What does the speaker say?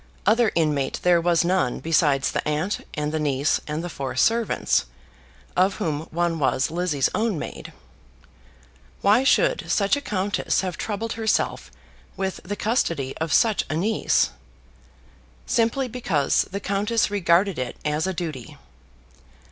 Other inmate there was none besides the aunt and the niece and the four servants, of whom one was Lizzie's own maid. Why should such a countess have troubled herself with the custody of such a niece? Simply because the countess regarded it as a duty.